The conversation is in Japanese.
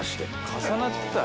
重なってたね。